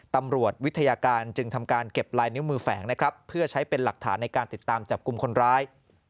ตำรวจวิทยาการจึงทำการเก็บลายนิ้วมือแฝงนะครับเพื่อใช้เป็นหลักฐานในการติดตามจับกลุ่มคนร้าย